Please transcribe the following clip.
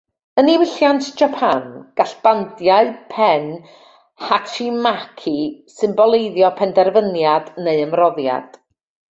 Yn niwylliant Japan, gall bandiau pen hachimaki symboleiddio penderfyniad neu ymroddiad.